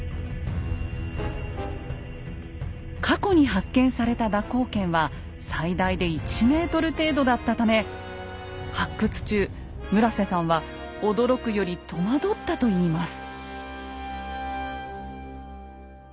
過去に発見された蛇行剣は最大で１ｍ程度だったため発掘中村さんは驚くより戸惑ったといいます。